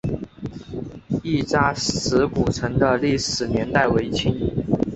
亦扎石古城的历史年代为清。